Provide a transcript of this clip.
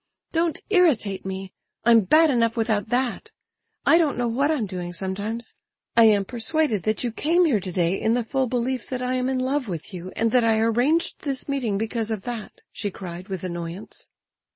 "Don't irritate me—I'm bad enough without that—I don't know what I am doing sometimes. I am persuaded that you came here today in the full belief that I am in love with you, and that I arranged this meeting because of that," she cried, with annoyance.